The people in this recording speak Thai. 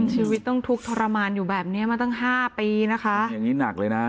ชีวิตต้องทุกข์ทรมานอยู่แบบเนี้ยมาตั้งห้าปีนะคะอย่างนี้หนักเลยนะ